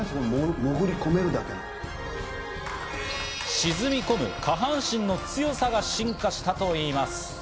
沈み込む下半身の強さが進化したといいます。